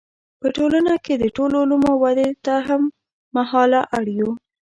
په ټولنه کې د ټولو علومو ودې ته هم مهاله اړ یو.